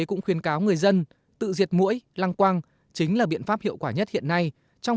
cũng khuyên cáo người dân tự diệt mũi lăng quang chính là biện pháp hiệu quả nhất hiện nay trong